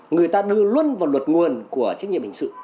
người ta đưa luân vào luật nguồn của trách nhiệm hình sự